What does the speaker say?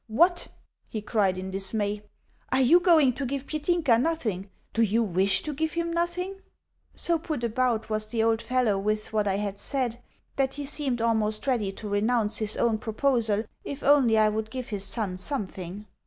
"What?" he cried in dismay. "Are you going to give Petinka nothing do you WISH to give him nothing?" So put about was the old fellow with what I had said, that he seemed almost ready to renounce his own proposal if only I would give his son something.